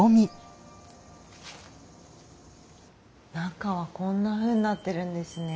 中はこんなふうになってるんですね。